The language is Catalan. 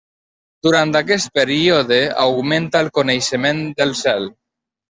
Durant aquest període augmenta el coneixement del cel.